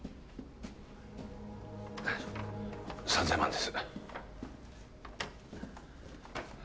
３０００万です